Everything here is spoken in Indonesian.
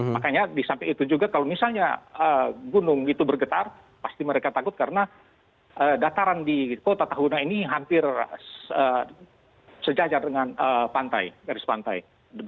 makanya di samping itu juga kalau misalnya gunung itu bergetar pasti mereka takut karena dataran di kota tahuna ini hampir sejajar dengan pantai garis pantai